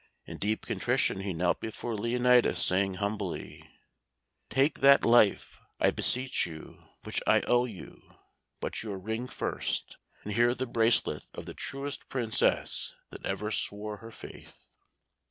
In deep contrition he knelt before Leonatus, saying humbly: "Take that life, I beseech you, which I owe you; but your ring first; and here the bracelet of the truest Princess that ever swore her faith."